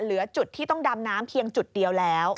เหลือจุดที่ต้องดำน้ำเพียงจุดเดียวแล้ว